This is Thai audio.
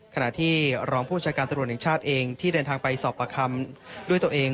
ขณะที่รองผู้จัดการตำรวจแห่งชาติเองที่เดินทางไปสอบประคำด้วยตัวเอง